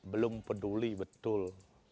belum peduli betul